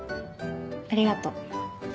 ありがとう。